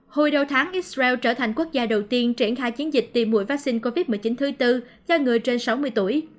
hồi đầu tháng israel trở thành quốc gia đầu tiên triển khai chiến dịch tiêm mũi vaccine covid một mươi chín thứ tư cho người trên sáu mươi tuổi